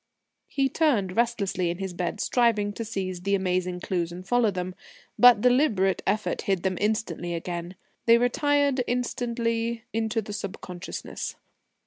He turned restlessly in his bed, striving to seize the amazing clues and follow them. But deliberate effort hid them instantly again; they retired instantly into the subconsciousness.